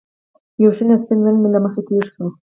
یو شین او سپین رنګ مې له مخې تېر شو